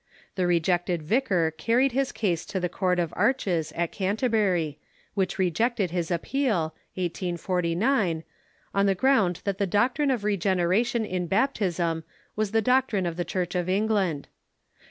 The rejected vicar carried his case to the Court of Arches at Canterbury, which rejected his appeal (1849) on the ground that the doctrine of regeneration in baptism was the doctrine of the Church of England.